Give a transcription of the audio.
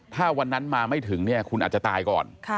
ถ้าวันนั้นมาไม่ถึงเนี่ยคุณอาจจะตายก่อน